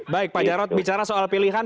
baik pak jarod bicara soal pilihan